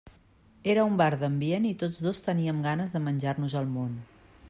Era un bar d'ambient i tots dos teníem ganes de menjar-nos el món.